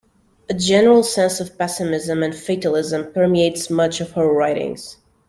A general sense of pessimism and fatalism permeates much of her writings.